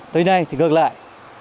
tới nay thì ngược lại